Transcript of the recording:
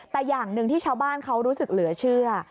แต่อย่างหนึ่งที่ชาวบ้านเขารู้สึกเหลือเชื่อ